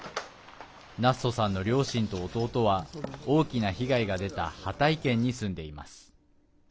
ナッソさんの両親と弟は大きな被害が出たハタイ県に住んでいます。